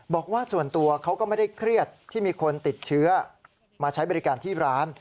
บอกว่าส่วนตัวเขาก็ไม่ได้เครียดที่มีคนติดเชื้อมาใช้บริการที่ร้าน